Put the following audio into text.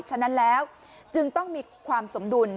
ฉะนั้นแล้วจึงต้องมีความสมดุล